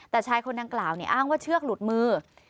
แต่ชายคนดังกล่าวอ้างว่าเชือกหลุดมือ